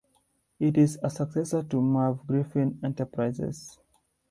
It is a successor to Merv Griffin Enterprises.